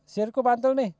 sirku pantul nih